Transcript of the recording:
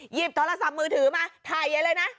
หยิบโทรศัพท์มือถือมาถ่ายใหญ่เลยนะ